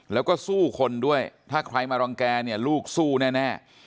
แล้วก็สู้คนด้วยถ้าใครมารังแก่เนี่ยลูกสู้แน่